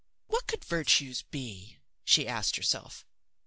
What could virtues be? she asked herself.